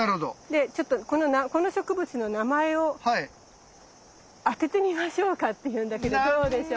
でこの植物の名前を当ててみましょうかっていうんだけどどうでしょう？